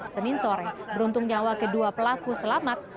senin sore beruntung nyawa kedua pelaku selamat